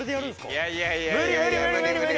いやいやいやいや。